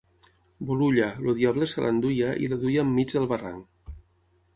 Bolulla, el diable se l'enduia i la duia enmig del barranc.